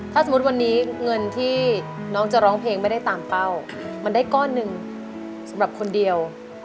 ถ้าสมมุติวันนี้เงินที่น้องจะร้องเพลงไม่ได้ตามเป้ามันได้ก้อนหนึ่งสำหรับคนเดียว